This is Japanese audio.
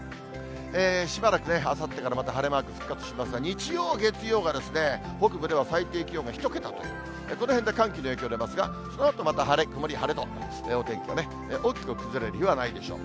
しばらくね、あさってからまた晴れマーク復活しますが、日曜、月曜が北部では最低気温が１桁という、このへんで寒気の影響出ますが、そのあとまた晴れ、曇り、晴れと、お天気が大きく崩れる日はないでしょう。